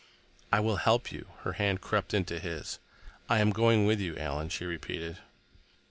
"I will help you." Her hand crept into his. "I am going with you, Alan," she repeated.